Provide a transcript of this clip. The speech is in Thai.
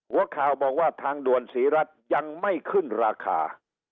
หัวข่าวบอกว่าทางด่วนศรีรัฐยังไม่ขึ้นราคา